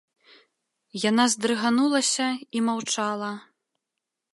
Яна здрыганулася і маўчала.